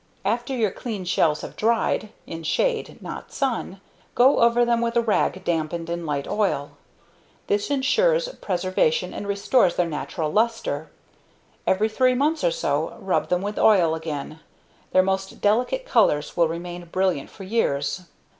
After your clean shells have dried (in shade, not sun), go over them with a rag dampened in light oil. This insures preservation and restores their natural luster. Every three months or so, rub them with oil again their most delicate colors will remain brilliant for years.